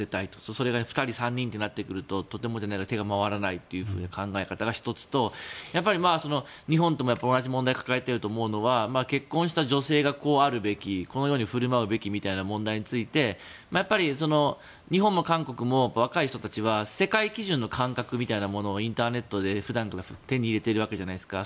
それが２人、３人になってくるととてもじゃないけど手が回らないという考え方が１つと日本と同じ問題を抱えていると思うのは結婚した女性がこうあるべきこういうふうに振る舞うべき問題について日本も韓国も若い人たちは世界基準の感覚みたいなものをインターネットで普段から手に入れてるわけじゃないですか。